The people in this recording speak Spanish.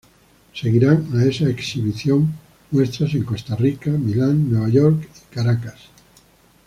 Seguirán a esa exhibición muestras en Costa Rica, Milán, Nueva York y Caracas.